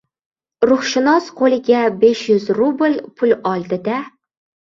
Ruhshunos qoʻliga besh yuz rubl pul oldi-da